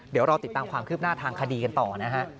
เดี๋ยวรอติดตามความคืบหน้าทางคดีกันต่อนะฮะ